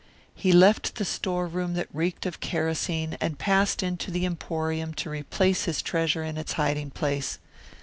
He left the storeroom that reeked of kerosene and passed into the emporium to replace his treasure in its hiding place.